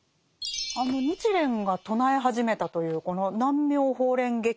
あの日蓮が唱え始めたというこの「南無妙法蓮華経」